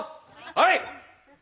はい。